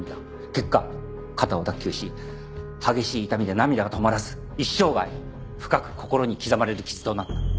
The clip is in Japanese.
結果肩を脱臼し激しい痛みで涙が止まらず一生涯深く心に刻まれる傷となった。